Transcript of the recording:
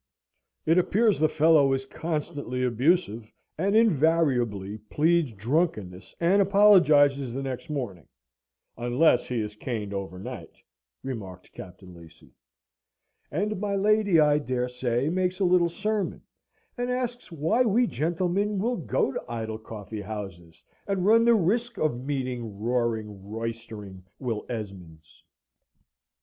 "It appears the fellow is constantly abusive, and invariably pleads drunkenness, and apologises the next morning, unless he is caned over night," remarked Captain Lacy. And my lady, I dare say, makes a little sermon, and asks why we gentlemen will go to idle coffee houses and run the risk of meeting roaring, roystering Will Esmonds?